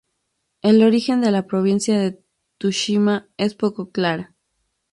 El origen de la provincia de Tsushima es poco claro.